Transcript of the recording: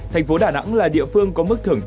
thành phố đà nẵng là địa phương có mức thưởng thấp